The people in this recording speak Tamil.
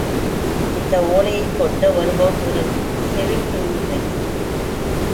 இந்த ஓலையைக்கொண்டு வருபவன் ஒரு செவிட்டூமை.